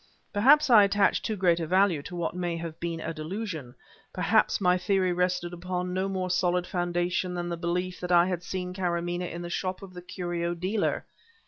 Perhaps I attached too great a value to what may have been a delusion; perhaps my theory rested upon no more solid foundation than the belief that I had seen Karamaneh in the shop of the curio dealer.